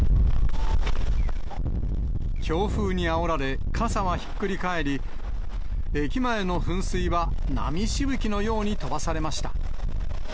強風にあおられ、傘はひっくり返り、駅前の噴水は、波しぶきのように飛ばされました。